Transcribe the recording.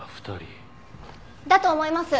だと思います。